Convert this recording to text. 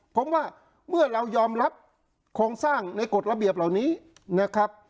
ผมว่าเมื่อเรายอมรับโครงสร้างในกฎระเบียบเหล่านี้นะครับ